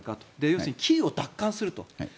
要するにキーウを奪還すると。